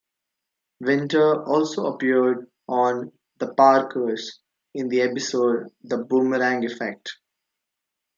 Winter also appeared on "The Parkers" in the episode "The Boomerang Effect".